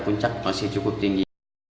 puncak masih cukup tinggi